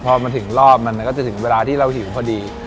พอมันถึงรอบมันก็จะถึงเวลาที่เราหิวพอดี